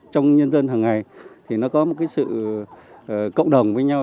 trong nhân dân hằng ngày thì nó có một cái sự cộng đồng với nhau